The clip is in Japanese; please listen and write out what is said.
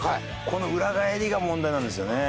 この裏返りが問題なんですよね。